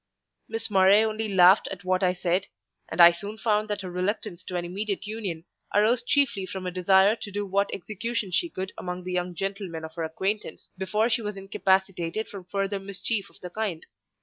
Miss Murray only laughed at what I said; and I soon found that her reluctance to an immediate union arose chiefly from a desire to do what execution she could among the young gentlemen of her acquaintance, before she was incapacitated from further mischief of the kind.